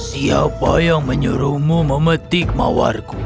siapa yang menyuruhmu memetik mawarku